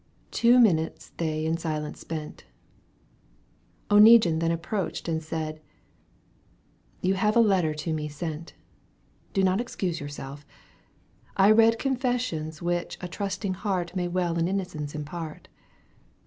Two minutes they in silence spent, Oneguine then approached and said :" You have a letter to me sent. Do not excuse yourself. I read Confessions which a trusting heart May well in innocence impart.